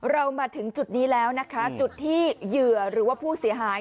มาถึงจุดนี้แล้วนะคะจุดที่เหยื่อหรือว่าผู้เสียหาย